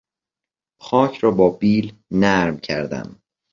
خاک را با بیل نرم کردم.